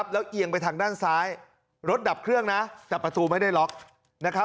แล้วเอียงไปทางด้านซ้ายรถดับเครื่องนะแต่ประตูไม่ได้ล็อกนะครับ